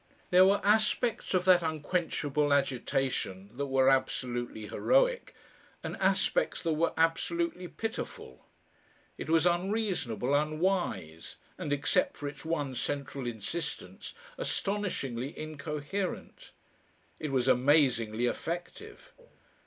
There were aspects of that unquenchable agitation that were absolutely heroic and aspects that were absolutely pitiful. It was unreasonable, unwise, and, except for its one central insistence, astonishingly incoherent. It was amazingly effective.